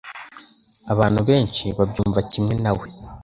Abantu benshi babyumva kimwe nawe.